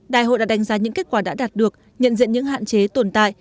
đại hội đã đánh giá những kết quả đã đạt được nhận diện những hạn chế tồn tại